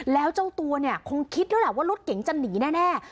แล้วเจ้าตัวคงคิดด้วยแหละว่ารถเก่งจะหนีแน่